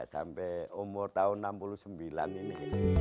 sampai umur tahun seribu sembilan ratus enam puluh sembilan ini